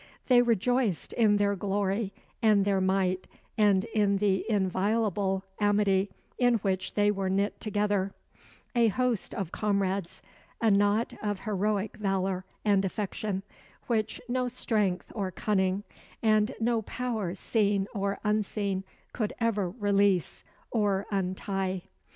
They rejoiced in their glory and their might and in the inviolable amity in which they were knit together; a host of comrades, a knot of heroic valor and affection, which no strength or cunning, and no power seen or unseen, could ever release or untie.